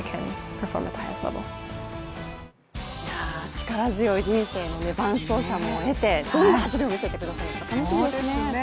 力強い人生の伴走者も得てどんな走りを見せてくださるか、楽しみですね。